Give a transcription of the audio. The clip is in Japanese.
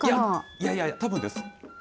いやいや、たぶんです。